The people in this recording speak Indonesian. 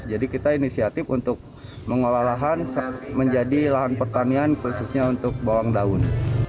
jadi kita inisiatif untuk mengolah lahan menjadi lahan pertanian khususnya untuk bawang daun